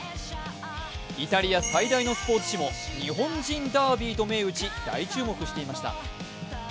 イタリア最大のスポーツ紙も日本人ダービーと銘打ち、大注目していました。